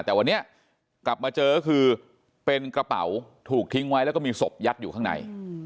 แต่วันนี้กลับมาเจอก็คือเป็นกระเป๋าถูกทิ้งไว้แล้วก็มีศพยัดอยู่ข้างใน